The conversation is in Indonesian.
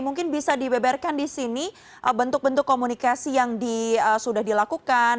mungkin bisa dibeberkan di sini bentuk bentuk komunikasi yang sudah dilakukan